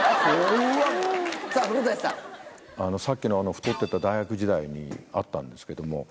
さっきのあの太ってた大学時代にあったんですけども。